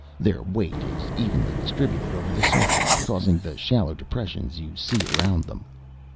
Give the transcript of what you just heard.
Their weight is evenly distributed over the surface, causing the shallow depressions you see around them.